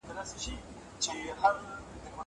زه زده کړه نه کوم!!